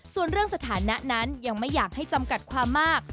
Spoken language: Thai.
ส่วนเรื่องสถานะนั้นยังไม่อยากให้จำกัดความมาก